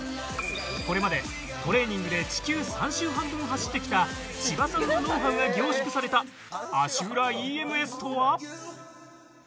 これまでトレーニングで地球３周半分走ってきた千葉さんのノウハウが凝縮された足裏ＥＭＳとは？